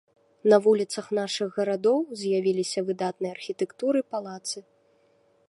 На вуліцах нашых гарадоў з'явіліся выдатнай архітэктуры палацы.